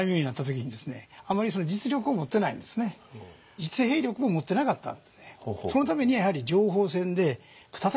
実兵力を持ってなかったんですね。